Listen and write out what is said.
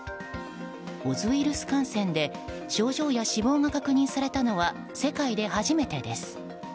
オズウイルス感染で症状や死亡が確認されたのは世界で初めてです。